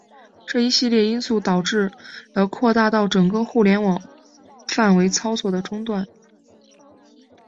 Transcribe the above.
这一系列因素导致了扩大到整个互联网范围操作的中断。